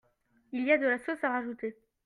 Il y a de la sauce à rajouter.